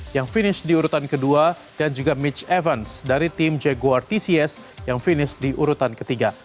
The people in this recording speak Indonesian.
yang finish di urutan kedua dan juga mitch evans dari tim jaguard tcs yang finish di urutan ketiga